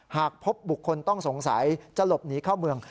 หากพบบุคคลต้องสงสัยจะหลบหนีเข้าเมือง